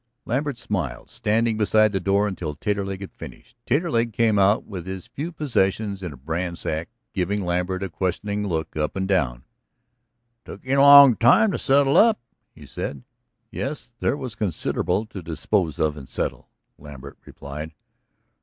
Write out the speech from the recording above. Lambert smiled, standing beside the door until Taterleg had finished. Taterleg came out with his few possessions in a bran sack, giving Lambert a questioning look up and down. "It took you a long time to settle up," he said. "Yes. There was considerable to dispose of and settle," Lambert replied.